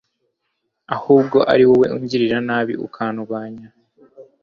ahubwo ari wowe ungirira nabi, ukandwanya